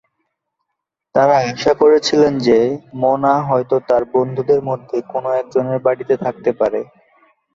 তারা আশা করেছিলেন যে, মোনা হয়তো তার বন্ধুদের মধ্যে কোনও একজনের বাড়িতে থাকতে পারে।